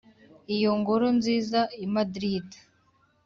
iyo ngoro nziza i madrid,